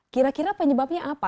kira kira penyebabnya apa